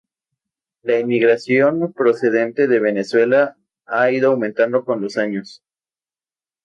La inmigración procedente de Venezuela ha ido aumentando con los años.